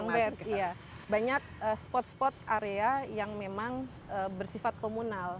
iya banyak spot spot area yang memang bersifat komunal